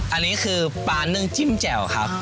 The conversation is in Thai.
อันนี้คือปลานึ่งจิ้มแจ่วครับ